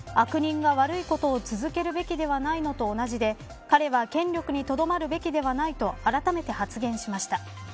悪人が悪いことを続けるべきではないのと同じで彼は権力にとどまるべきではないとあらためて発言しました。